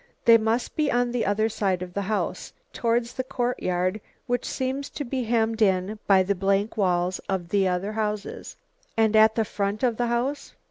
They must be on the other side of the house, towards the courtyard which seems to be hemmed in by the blank walls of the other houses." "And at the front of the house?"